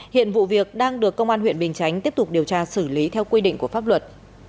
hiện vụ việc đang được công an huyện bình chánh tiếp tục điều tra xử lý theo quy định của pháp luật